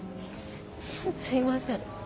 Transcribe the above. すいません。